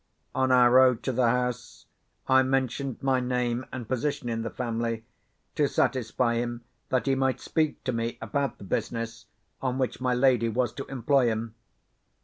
On our road to the house, I mentioned my name and position in the family, to satisfy him that he might speak to me about the business on which my lady was to employ him.